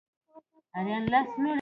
فرهنګ د بدلونونو پر وړاندې بې غبرګونه دی